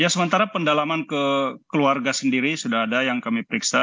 sementara pendalaman ke keluarga sendiri sudah ada yang kami periksa